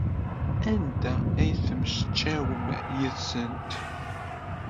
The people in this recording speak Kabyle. Anda ay temmectcawem yid-sent?